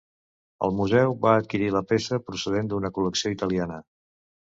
El museu va adquirir la peça procedent d'una col·lecció italiana.